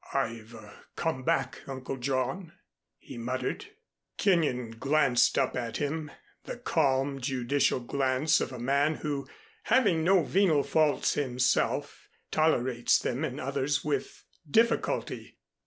"I've come back, Uncle John," he muttered. Kenyon glanced up at him, the calm judicial glance of a man who, having no venal faults himself, tolerates them in others with difficulty.